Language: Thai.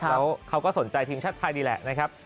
แล้วเขาก็สนใจทีมชาติไทยนี่แหละนะครับ